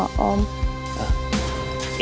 oleh siapapun itu